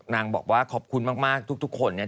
นางบอกว่าขอบคุณมากทุกคนเนี่ย